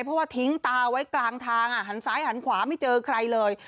เพราะว่าทิ้งตาไว้กลางทางหันซ้ายหันขวาไม่เจอใครเลย